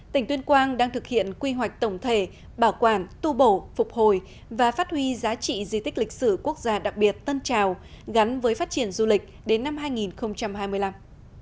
tỉnh tuyên quang đang thực hiện quy hoạch tổng thể bảo quản tu bổ phục hồi và phát huy giá trị di tích lịch sử quốc gia đặc biệt tân trào gắn với phát triển du lịch đến năm hai nghìn hai mươi năm